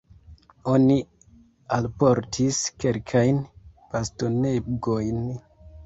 Oni alportis kelkajn bastonegojn.